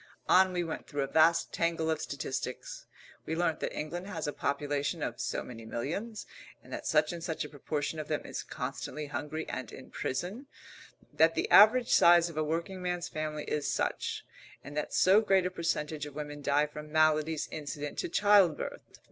On we went through a vast tangle of statistics. We learnt that England has a population of so many millions, and that such and such a proportion of them is constantly hungry and in prison; that the average size of a working man's family is such, and that so great a percentage of women die from maladies incident to childbirth.